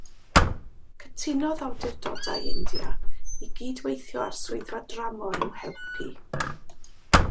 Cytunodd awdurdodau India i gyd-weithio â'r Swyddfa Dramor i'w helpu.